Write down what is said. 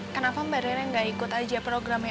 kenapa mbak rere gak ikut aja programnya emak